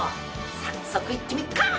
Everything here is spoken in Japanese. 早速、いってみっか。